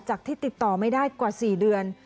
ที่ติดต่อไม่ได้กว่า๔เดือน